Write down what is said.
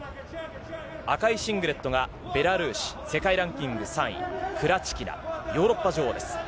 赤いシングレットがベラルーシ、世界ランキング３位、クラチキナ、ヨーロッパ女王です。